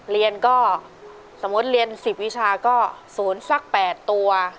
เรียนก็สมมุติเรียน๑๐วิชาก็ศูนย์สัก๘ตัว